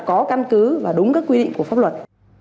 có căn cứ và đúng các quy định của pháp luật